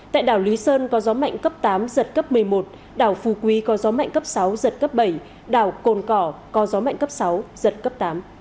tại đảo lý sơn có gió mạnh cấp tám giật cấp một mươi một đảo phu quý có gió mạnh cấp sáu giật cấp bảy đảo cồn cỏ có gió mạnh cấp sáu giật cấp tám